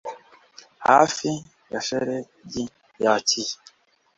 hafi ya shelegi ya kiye